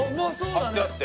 貼ってあって。